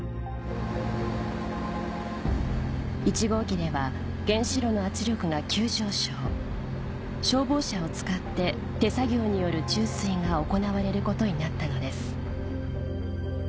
１号機では原子炉の圧力が急上昇消防車を使って手作業による注水が行われることになったのです